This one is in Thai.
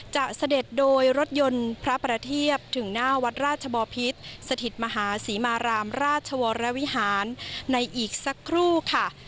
เสด็จโดยรถยนต์พระประเทียบถึงหน้าวัดราชบอพิษสถิตมหาศรีมารามราชวรวิหารในอีกสักครู่ค่ะ